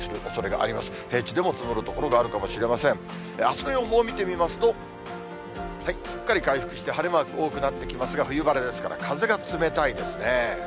あすの予報を見てみますと、すっかり回復して、晴れマーク多くなってきますが、冬晴れですから、風が冷たいですね。